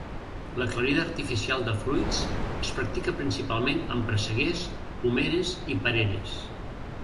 L'aclarida artificial de fruits es practica principalment en presseguers, pomeres i pereres.